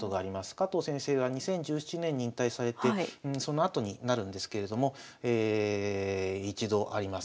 加藤先生が２０１７年に引退されてそのあとになるんですけれども一度あります。